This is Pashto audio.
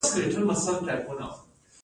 د ځیګر د تودوخې لپاره د څه شي اوبه وڅښم؟